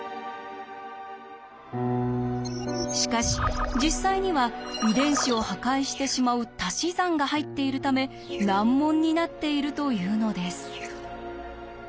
しかし実際には遺伝子を破壊してしまうたし算が入っているため難問になっているというのです。